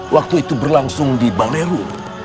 waktu itu berlangsung di baleru